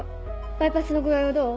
バイパスの具合はどう？